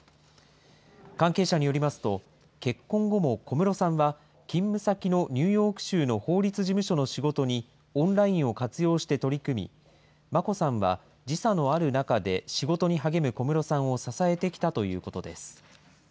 関係者によりますと、結婚後も小室さんは勤務先のニューヨーク州の法律事務所の仕事に、オンラインを活用して取り組み、眞子さんは時差のある中で仕事に励む小室さんを支えてきたということです。